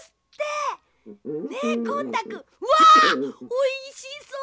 おいしそう！